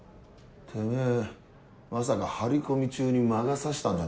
てめぇまさか張り込み中に魔が差したんじゃねえだろうな？